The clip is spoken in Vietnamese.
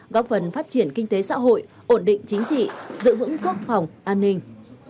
góp phần phát triển kinh tế xã hội ổn định chính trị giữ vững quốc phòng an ninh